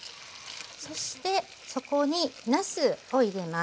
そしてそこになすを入れます。